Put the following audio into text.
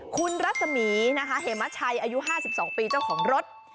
คุณรัศมีนะคะเหมชัยอายุ๕๒ปีเจ้าของรถ